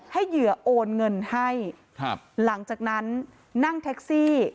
เหยื่อโอนเงินให้ครับหลังจากนั้นนั่งแท็กซี่